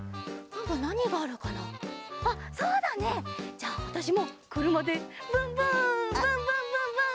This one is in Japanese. じゃあわたしもくるまでブンブンブンブンブンブン！